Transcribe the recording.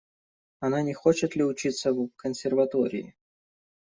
Она не хочет ли учиться в консерватории?